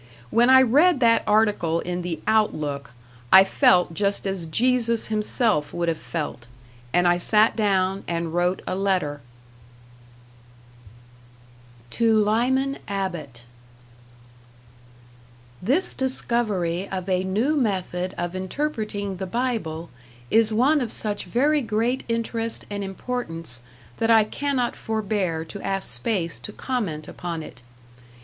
When I read that article in the "Outlook", I felt just as Jesus himself would have felt; and I sat down and wrote a letter #To Lyman Abbott# This discovery of a new method of interpreting the Bible is one of such very great interest and importance that I cannot forbear to ask space to comment upon it.